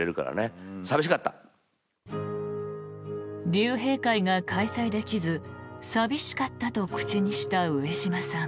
竜兵会が開催できず寂しかったと口にした上島さん。